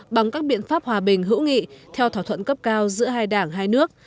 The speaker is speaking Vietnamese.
bằng các biện pháp hòa bình hữu nghị theo thỏa thuận cấp cao giữa hai đảng hai nước